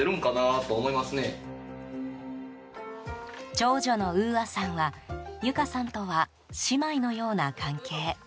長女の羽々愛さんは由香さんとは姉妹のような関係。